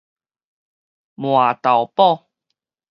蔴荳堡